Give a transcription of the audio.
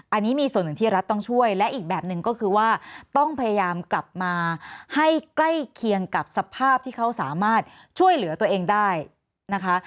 อันนี้มีส่วนหนึ่งที่รัฐต้องช่วยและอีกแบบหนึ่งก็คือว่าต้องพยายามกลับมาให้ใกล้เคียงกับสภาพที่เขาสามารถช่วยเหลือตัวเองได้นะคะ